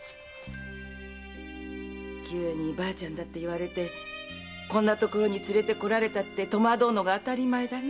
急にばあちゃんだって言われてこんな所に連れて来られたって戸惑うのが当たり前だね。